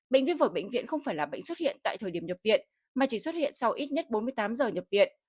bệnh viêm phổi bệnh viện không phải là bệnh xuất hiện tại thời điểm nhập viện mà chỉ xuất hiện sau ít nhất bốn mươi tám giờ nhập viện